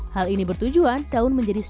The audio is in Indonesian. hal ini bertujuan daun menjadi